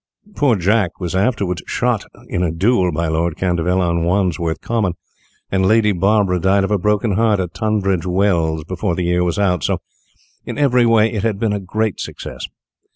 Poor Jack was afterwards shot in a duel by Lord Canterville on Wandsworth Common, and Lady Barbara died of a broken heart at Tunbridge Wells before the year was out, so, in every way, it had been a great success.